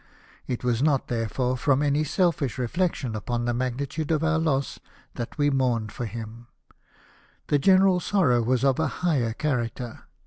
It was not, therefore, from any selfish reflection upon the mag nitude of our loss that we mourned for him: the general sorrow was of a higher character.